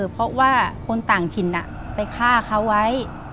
เพราะว่าคนต่างถิ่นไปฆ่าเขาไว้